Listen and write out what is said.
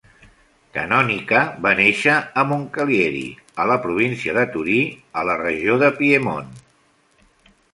Canonica va néixer a Moncalieri, a la província de Torí, a la regió de Piemont.